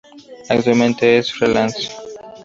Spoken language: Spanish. Actualmente es freelance.